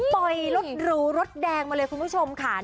ปล่อยรถหรูรถแดงมาเลยคุณผู้ชมค่ะ